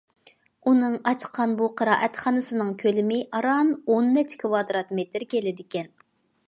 ئۇنىڭ ئاچقان بۇ قىرائەتخانىسىنىڭ كۆلىمى ئاران ئون نەچچە كىۋادرات مېتىر كېلىدىكەن.